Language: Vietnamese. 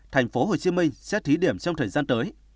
tp hcm sẽ thí điểm trong thời gian tới